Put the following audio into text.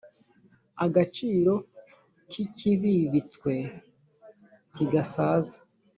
agaciro kikibibitswe ntigasaza.